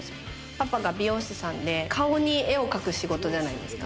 パパが美容師さんで顔に絵を描く仕事じゃないですか。